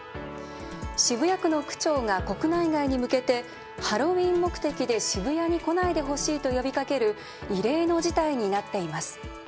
渋谷区の区長が国内外に向けて「ハロウィーン目的で渋谷に来ないでほしい」と呼びかける異例の事態になっています。